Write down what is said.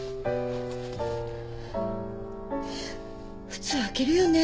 普通開けるよね。